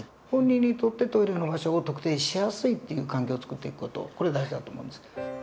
本人にとってトイレの場所を特定しやすいっていう環境を作っていく事これ大事だと思うんです。